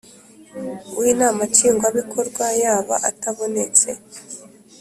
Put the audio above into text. w Inama Nshingwabikorwa yaba atabonetse